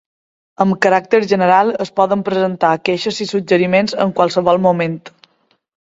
Amb caràcter general, es poden presentar queixes i suggeriments en qualsevol moment.